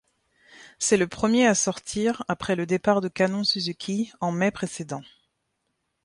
C'est le premier à sortir après le départ de Kanon Suzuki en mai précédent.